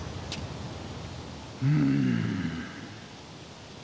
うん。